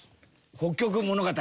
『北極物語』。